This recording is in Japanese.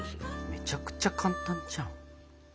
めちゃくちゃ簡単じゃん。